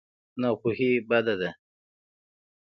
ناپوهي بده ده.